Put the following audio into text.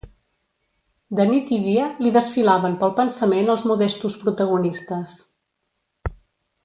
De nit i dia li desfilaven pel pensament els modestos protagonistes